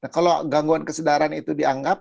kalau gangguan kesedaran itu dianggap